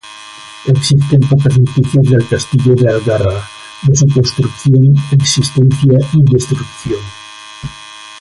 Existen pocas noticias del Castillo de Algarra, de su construcción, existencia y destrucción.